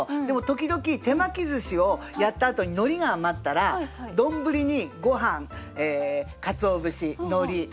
でも時々手巻きずしをやったあとにのりが余ったら丼にごはんかつお節のり